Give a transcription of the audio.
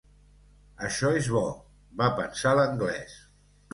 Això és bo, va pensar l'anglès.